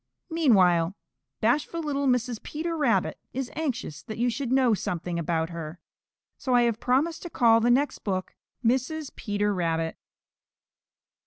Meanwhile, bashful little Mrs. Peter Rabbit is anxious that you should know something about her. So I have promised to call the next book, "Mrs. Peter Rabbit."